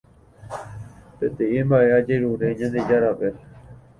Peteĩ mba'e ajerure Ñandejárape